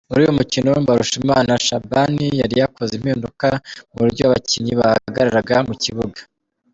Muri uyu mukino, Mbarushimana Shaban yari yakoze impinduka mu buryo abakinnyi bahagarara mu kibuga.